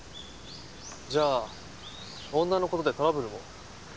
じゃあ女のことでトラブルも？